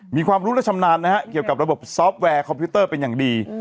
มีความรู้และชำนาญนะฮะเกี่ยวกับระบบซอฟต์แวร์คอมพิวเตอร์เป็นอย่างดี